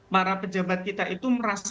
para pejabat kita itu merasa